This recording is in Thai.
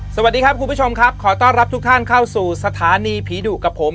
สวัสดีครับคุณผู้ชมครับขอต้อนรับทุกท่านเข้าสู่สถานีผีดุกับผม